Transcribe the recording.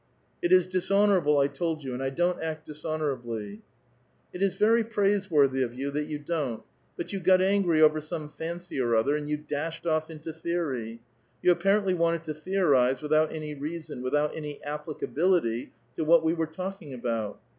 " It is dishonorable, I told vou, and I don't act dishonor ablv." " It is very praiseworthy of you that you don't ; but you got angry over some fancy or other, and you dashed off into theory. You apparently wanted to theorize without any rea son, without any applicability to what we were talking about.